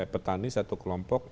petani satu kelompok